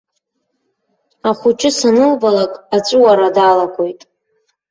Ахәыҷы санылбалак аҵәыуара далагоит.